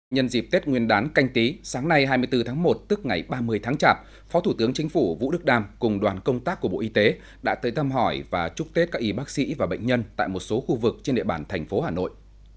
nhân dịp tết nguyên đán canh tí sáng nay hai mươi bốn tháng một tức ngày ba mươi tháng chạp phó thủ tướng chính phủ vũ đức đam cùng đoàn công tác của bộ y tế đã tới thăm hỏi và chúc tết các y bác sĩ và bệnh nhân tại một số khu vực trên địa bàn thành phố hà nội